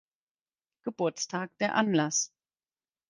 Geburtstag der Anlass.